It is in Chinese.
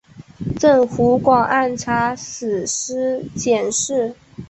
赠湖广按察使司佥事。